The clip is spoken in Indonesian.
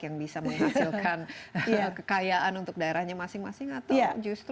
yang bisa menghasilkan kekayaan untuk daerahnya masing masing atau justru